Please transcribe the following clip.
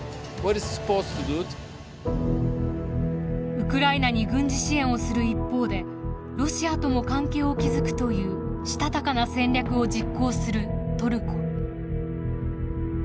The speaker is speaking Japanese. ウクライナに軍事支援をする一方でロシアとも関係を築くというしたたかな戦略を実行するトルコ。